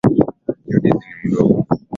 Judith ni mdogo.